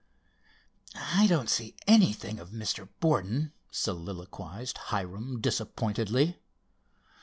"I don't see anything of Mr. Borden," soliloquized Hiram disappointedly.